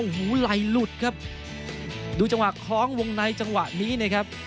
โอ้โหไหล่หลุดครับดูจังหวะคล้องวงในจังหวะนี้นะครับ